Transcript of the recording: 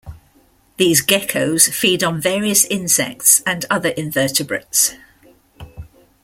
These geckos feed on various insects and other invertebrates.